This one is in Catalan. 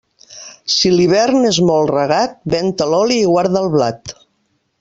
Si l'hivern és molt regat, ven-te l'oli i guarda el blat.